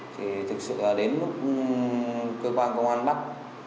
thực sự đến lúc cơ quan công an bắt